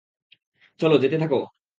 চল, যেতে থাকো।